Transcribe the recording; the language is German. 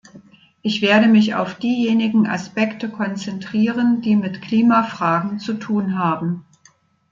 Ich werde mich auf diejenigen Aspekte konzentrieren, die mit Klimafragen zu tun haben.